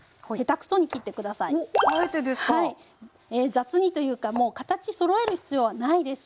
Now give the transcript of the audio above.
雑にというかもう形そろえる必要はないです。